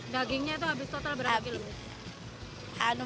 dagingnya itu habis total berapa kilo